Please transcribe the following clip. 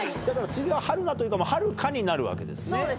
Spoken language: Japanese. だから次は春菜というかはるかになるわけですね。